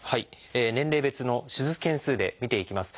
年齢別の手術件数で見ていきます。